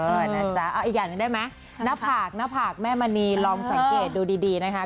เออนะจ๊ะเอาอีกอย่างหนึ่งได้ไหมหน้าผากหน้าผากแม่มณีลองสังเกตดูดีนะคะ